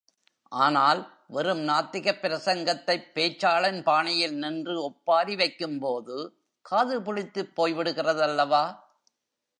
ஆனால், வெறும் நாத்திகப் பிரசங்கத்தைப் பேச்சாளன் பாணியில் நின்று ஒப்பாரி வைக்கும்போது, காது புளித்துப் போய்விடுகிறதல்லவா?